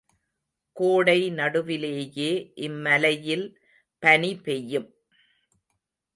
கோடை நடுவிலேயே இம்மலையில் பனி பெய்யும்.